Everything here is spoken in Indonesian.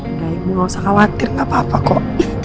udah ibu gak usah khawatir gak apa apa kok